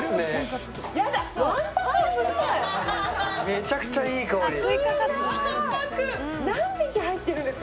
めちゃくちゃいい香り。